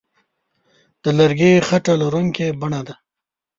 د لرګي خټه لرونکې بڼه ده.